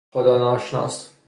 خدا ناشناس